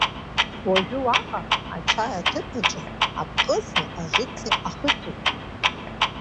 Уажәы уаҟа, ачаи аҭыԥ аҿы, апҟызи ажыци ахыҵәеит.